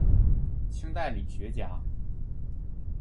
清代理学家。